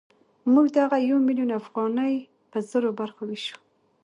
موږ دغه یو میلیون افغانۍ په زرو برخو وېشو